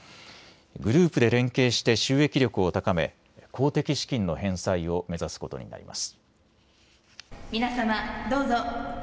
グループで連携して収益力を高め公的資金の返済を目指すことになります。